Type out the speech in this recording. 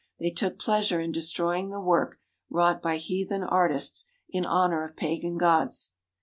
They took pleasure in destroying the work wrought by heathen art ists in honour of pagan gods.